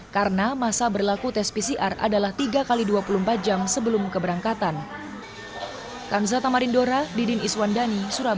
karena masa berlaku tes pcr adalah tiga x dua puluh empat jam sebelum keberangkatan